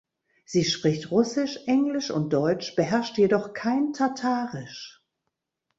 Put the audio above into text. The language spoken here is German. Sie spricht Russisch, Englisch und Deutsch, beherrscht jedoch kein Tatarisch.